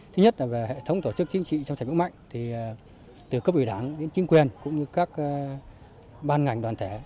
thứ nhất là về hệ thống tổ chức chính trị trong trạng yếu mạnh thì từ cấp ủy đảng đến chính quyền cũng như các ban ngành đoàn thể